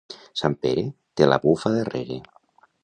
Sant Pere té la bufa darrere.